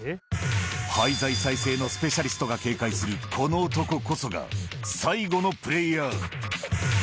廃材再生のスペシャリストが警戒するこの男こそが、最後のプレーヤー。